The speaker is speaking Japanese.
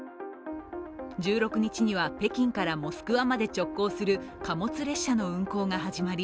１６日には北京からモスクワまで直行する貨物列車の運行が始まり